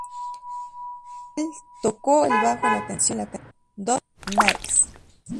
El tocó el bajo en la canción "Those Nights".